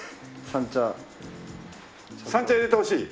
三茶入れてほしい？